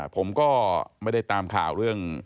ผมก็ไม่ได้ตามข่าวเรื่อง